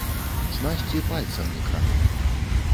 Снасці пальцам не крану.